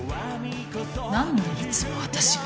何でいつも私が。